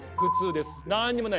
なんにもない。